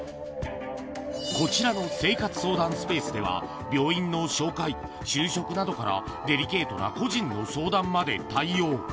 こちらの生活相談スペースでは、病院の紹介、就職などから、デリケートな個人の相談まで対応。